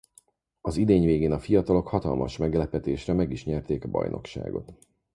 Az idény végén a fiatalok hatalmas meglepetésre meg is nyerték a bajnokságot.